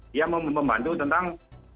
dia membantu tentang